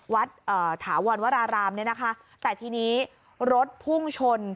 เอ่อถาวรวรารามเนี่ยนะคะแต่ทีนี้รถพุ่งชน